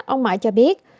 ông mãi cho biết